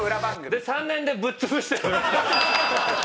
で３年でぶっ潰して。